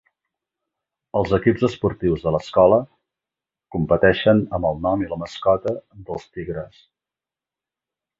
Els equips esportius de l'escola competeixen amb el nom i la mascota dels tigres.